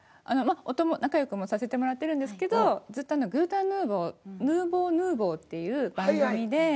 まあ仲よくもさせてもらってるんですけどずっと「グータンヌーボ」「ヌーボ」っていう番組で。